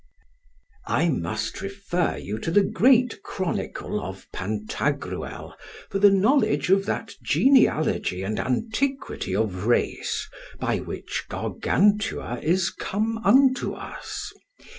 I must refer you to the great chronicle of Pantagruel for the knowledge of that genealogy and antiquity of race by which Gargantua is come unto us.